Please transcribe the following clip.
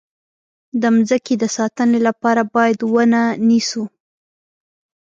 د مځکې د ساتنې لپاره باید ونه نیسو.